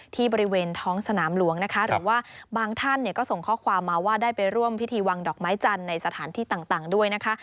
บริเวณท้องสนามหลวงนะคะหรือว่าบางท่านเนี่ยก็ส่งข้อความมาว่าได้ไปร่วมพิธีวางดอกไม้จันทร์ในสถานที่ต่างด้วยนะคะ